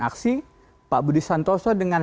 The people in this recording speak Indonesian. aksi pak budi santoso dengan